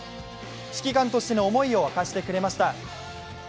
指揮官としての思いを明かしてくれました。